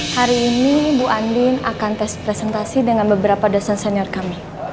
hari ini bu andin akan tes presentasi dengan beberapa dosen senior kami